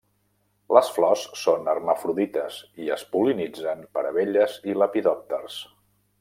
Les flors són hermafrodites i es pol·linitzen per abelles i lepidòpters.